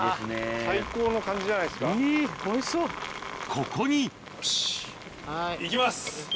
ここに行きます。